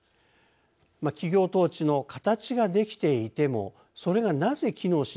企業統治の形ができていてもそれがなぜ機能しないのか。